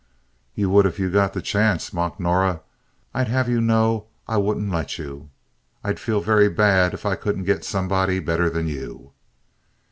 "You would if you got the chance," mocked Norah. "I'd have you know I wouldn't let you. I'd feel very bad if I couldn't get somebody better than you."